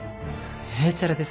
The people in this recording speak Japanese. へいちゃらです。